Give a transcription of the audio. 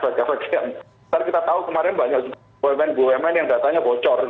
kita tahu kemarin banyak bumn bumn yang datanya bocor